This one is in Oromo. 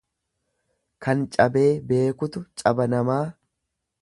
Kan cabee beekutu caba namaa